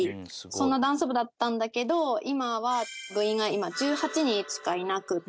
そんなダンス部だったんだけど今は部員が１８人しかいなくって。